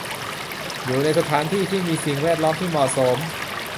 อยู่ในสถานที่ที่มีสิ่งแวดล้อมที่เหมาะสม